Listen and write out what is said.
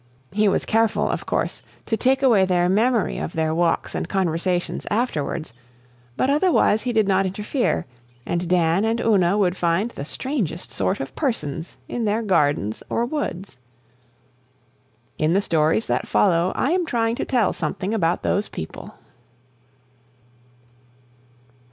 He was careful, of course, to take away their memory of their walks and conversations afterwards, but otherwise he did not interfere; and Dan and Una would find the strangest sort of persons in their gardens or woods. In the stories that follow I am trying to tell something about those people.